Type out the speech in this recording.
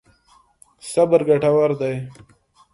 صبر ګټور دی.